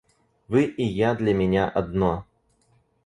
Вы и я для меня одно.